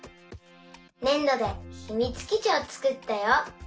ねんどでひみつきちをつくったよ。